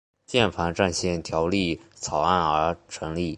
键盘战线条例草案而成立。